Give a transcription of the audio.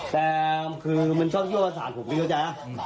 แต่คือมันชอบย่อปศาสตร์ผมมีเข้าใจร้อง